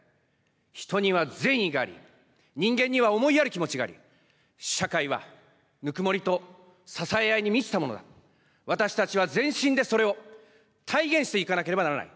人には善意があり、人間には思いやる気持ちがあり、社会は温もりと支え合いに満ちたものだ、私たちは全身でそれを体現していかなければならない。